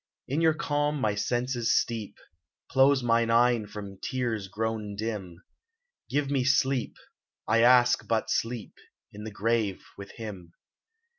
In your calm my senses steep ; Close mine eyes, from tears grown dim ; Give me sleep — I ask but sleep — In the grave, with him.